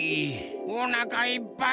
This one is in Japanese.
おなかいっぱい。